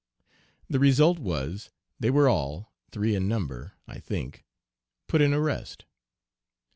The result was they were all, three in number, I think, put in arrest.